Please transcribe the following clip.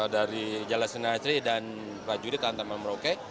dari jalasinatri dan prajurit lantamal merauke